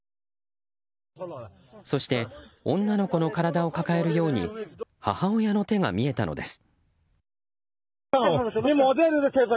そして女の子の体を抱えるように母親の手が見えたのです。